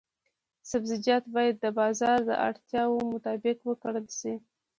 سبزیجات باید د بازار د اړتیاوو مطابق وکرل شي.